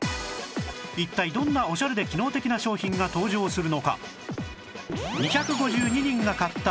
一体どんなオシャレで機能的な商品が登場するのか？